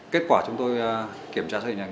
kết quả chúng tôi kiểm tra thấy rằng